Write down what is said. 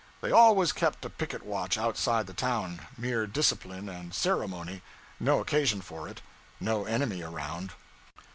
They always kept a picket watch outside the town mere discipline and ceremony no occasion for it, no enemy around.